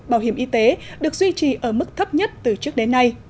bảo hiểm y tế được duy trì ở mức thấp nhất từ trước đến nay